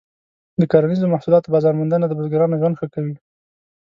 د کرنیزو محصولاتو بازار موندنه د بزګرانو ژوند ښه کوي.